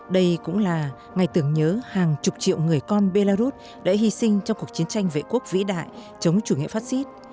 đây cũng là ngày tưởng nhớ hàng chục triệu người con belarus đã hy sinh trong cuộc chiến tranh vệ quốc vĩ đại chống chủ nghĩa phát xít